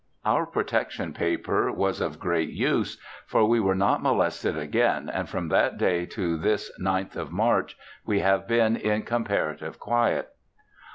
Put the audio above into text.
Our protection paper was of great use, for we were not molested again and from that day to this 9th of March we have been in comparative quiet.